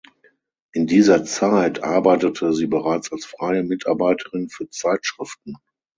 In dieser Zeit arbeitete sie bereits als freie Mitarbeiterin für Zeitschriften.